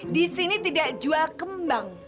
di sini tidak jual kembang